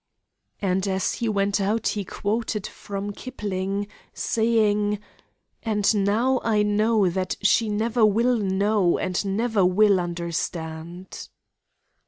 And as he went he quoted from Kipling, saying: 'And now I know that she never will know, and never will understand.'